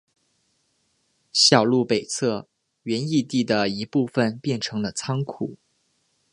小路北侧原义地的一部分变成了仓库。